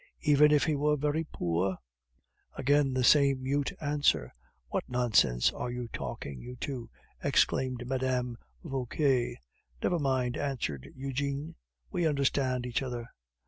"Even if he were very poor?" Again the same mute answer. "What nonsense are you talking, you two?" exclaimed Mme. Vauquer. "Never mind," answered Eugene; "we understand each other."